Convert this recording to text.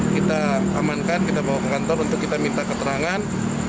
kita amankan kita bawa ke kantor untuk kita minta keterangan